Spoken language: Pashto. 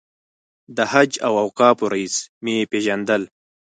د حج او اوقافو رییس مې پېژندل.